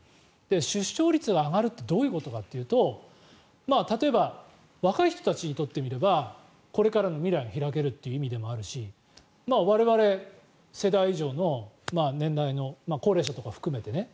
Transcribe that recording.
出生率が上がるってどういうことかというと例えば若い人たちにとってみればこれからの未来が開けるという意味でもあるし我々世代以上の年代の高齢者とか含めてね